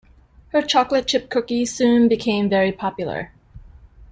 Her chocolate chip cookies soon became very popular.